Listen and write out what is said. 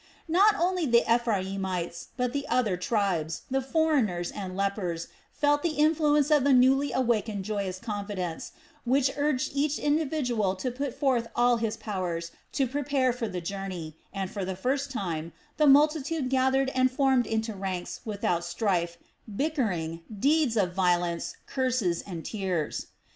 Not only the Ephraimites, but the other tribes, the foreigners, and lepers felt the influence of the newly awakened joyous confidence, which urged each individual to put forth all his powers to prepare for the journey and, for the first time, the multitude gathered and formed into ranks without strife, bickering, deeds of violence, curses, and tears.